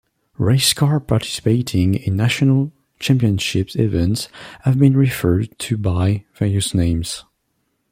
Race cars participating in national championship events have been referred to by various names.